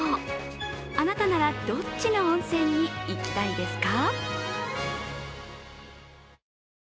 あなたなら、どっちの温泉に行きたいですか？